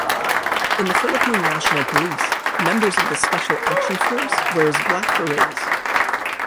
In the Philippine National Police, members of the Special Action Force wears black berets.